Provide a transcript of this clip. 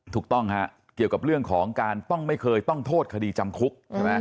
ถูกต้องฮะเกี่ยวกับเรื่องของการต้องไม่เคยต้องโทษคดีจำคุกใช่ไหม